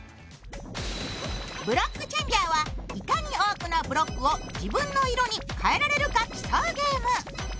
「ブロックチェンジャー」はいかに多くのブロックを自分の色に変えられるか競うゲーム。